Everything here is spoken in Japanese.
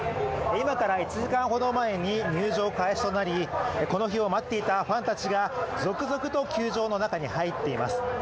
今から１時間ほど前に入場開始を前にこの日を待っていたファンたちが続々と球場の中に入っています。